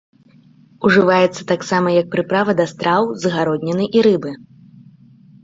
Ужываецца таксама як прыправа да страў з гародніны і рыбы.